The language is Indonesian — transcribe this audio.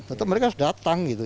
atau mereka harus datang gitu